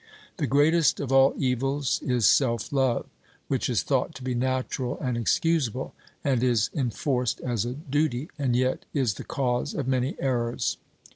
The greatest of all evils is self love, which is thought to be natural and excusable, and is enforced as a duty, and yet is the cause of many errors.